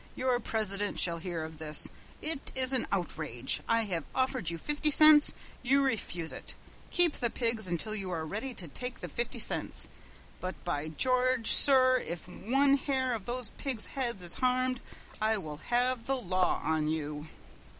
Your president shall hear of this! It is an outrage! I have offered you fifty cents. You refuse it! Keep the pigs until you are ready to take the fifty cents, but, by George, sir, if one hair of those pigs' heads is harmed I will have the law on you!"